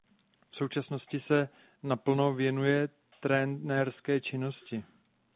V současnosti se naplno věnuje trenérské činnosti.